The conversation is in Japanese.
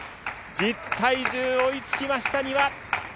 １０対１０、追いつきました、丹羽。